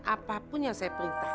apapun yang saya perintahkan